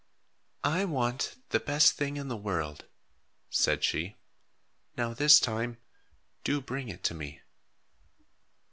"I want the best thing in the world," said she. "Now this time, do bring it to me."